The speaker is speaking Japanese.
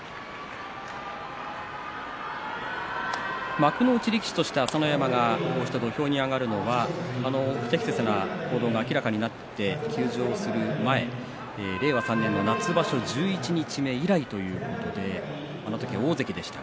幕内力士として朝乃山が土俵に上がるのは不適切な行動が明らかになって休場する前令和３年の夏場所十一日目以来ということであの時は大関でした。